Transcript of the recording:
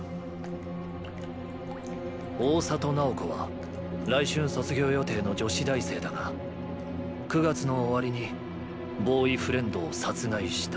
大郷楠宝子は来春卒業予定の女子大生だが９月の終わりにボーイフレンドを殺害した。